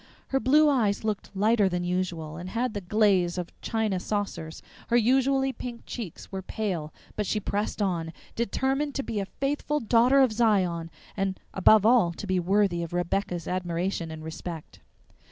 Her blue eyes looked lighter than usual and had the glaze of china saucers; her usually pink cheeks were pale, but she pressed on, determined to be a faithful Daughter of Zion, and above all to be worthy of Rebecca's admiration and respect.